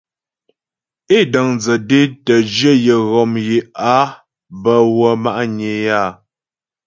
É dəŋdzə dé tə́ jyə̂ yə ghom yé á bə wə́ ma'nyə é áa.